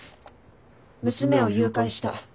娘を誘拐した。